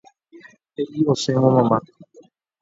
He'i osẽvo mamá.